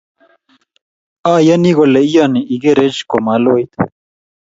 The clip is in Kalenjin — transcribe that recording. Ayani kole iyone igereech ko maloit